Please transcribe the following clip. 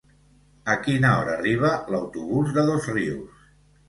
A quina hora arriba l'autobús de Dosrius?